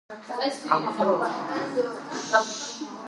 ნიადაგში ხდება ორგანული ნივთიერების დაშლა და სინთეზი.